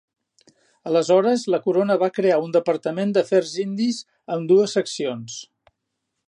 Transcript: Aleshores la corona va crear un Departament d'afers indis amb dues seccions.